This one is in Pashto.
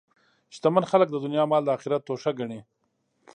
شتمن خلک د دنیا مال د آخرت توښه ګڼي.